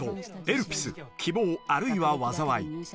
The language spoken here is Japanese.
［『エルピス−希望、あるいは災い−』］